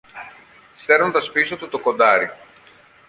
σέρνοντας πίσω του το κοντάρι.